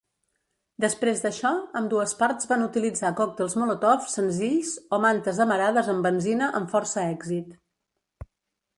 Després d'això, ambdues parts van utilitzar còctels Molotov senzills o mantes amarades amb benzina amb força èxit.